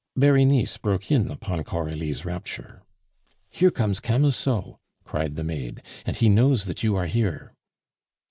Berenice broke in upon Coralie's rapture. "Here comes Camusot!" cried the maid. "And he knows that you are here."